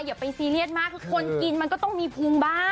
อย่าไปซีเรียสมากคือคนกินมันก็ต้องมีภูมิบ้าง